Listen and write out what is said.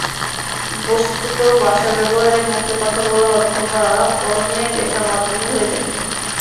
বস্তুত ভাষার ব্যবহার মুখে কথা বলা অথবা কলমে লেখার মাধ্যমে হয়ে থাকে।